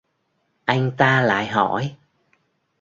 Anh ta lại hỏi